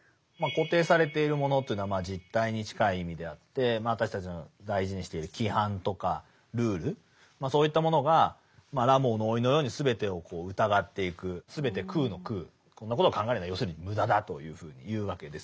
「固定されているもの」というものは実体に近い意味であって私たちの大事にしている規範とかルールそういったものが「ラモーの甥」のように全てを疑っていく全て空の空こんなことを考えるのは要するに無駄だというふうに言うわけです。